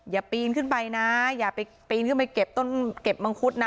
อย่าปีนขึ้นไปนะอย่าไปปีนขึ้นไปเก็บต้นเก็บมังคุดนะ